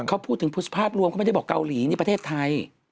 เขาพูดถึงภาพรวมเขาไม่ได้บอกเกาหลีนี่ประเทศไทย